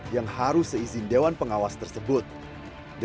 yang harus seizin dewan pengawas untuk menolaknya